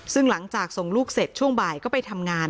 ซึ่งหลังจากส่งลูกเสร็จช่วงบ่ายก็ไปทำงาน